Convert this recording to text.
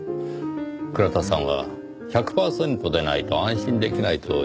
倉田さんは１００パーセントでないと安心出来ないと言っていました。